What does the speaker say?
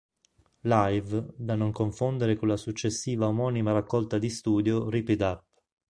Live", da non confondere con la successiva omonima raccolta di studio "Rip It Up".